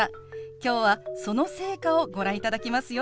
きょうはその成果をご覧いただきますよ。